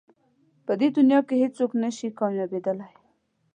په دې دنیا کې هېڅ څوک نه شي کامیابېدلی.